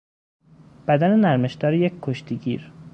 بدن نرمشدار یک کشتی گیر